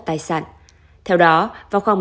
tài sản theo đó vào khoảng